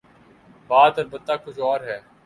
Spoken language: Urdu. بات البتہ کچھ اور ہے۔